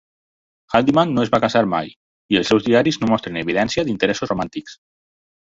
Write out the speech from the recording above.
Haldimand no es va casar mai, i els seus diaris no mostren evidència d'interessos romàntics.